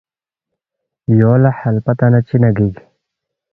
یو لہ ہلپہ تنگ نہ چِنا گِک؟“